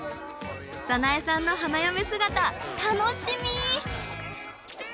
早苗さんの花嫁姿楽しみ！